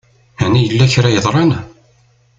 Ɛni yella kra i yeḍṛan?